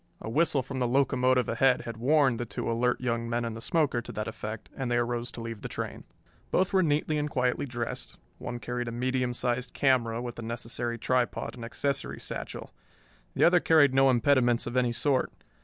A whistle from the locomotive ahead had warned the two alert young men in the smoker to that effect, and they arose to leave the train. Both were neatly and quietly dressed. One carried a medium sized camera with the necessary tripod and accessory satchel. The other carried no impediments of any sort.